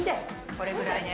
これぐらいで。